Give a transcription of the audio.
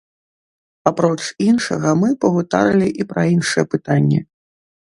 Апроч іншага мы пагутарылі і пра іншыя пытанні.